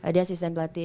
dia asisten batik